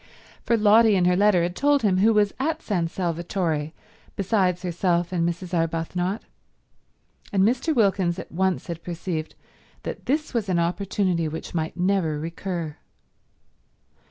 For Lotty in her letter had told him who was at San Salvatore besides herself and Mrs. Arbuthnot, and Mr. Wilkins at once had perceived that this was an opportunity which might never recur.